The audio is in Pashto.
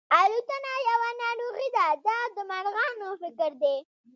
الوتنه یوه ناروغي ده دا د مرغانو فکر دی.